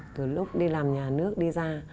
từ lúc đi làm nhà nước đi ra